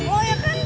oh ya kan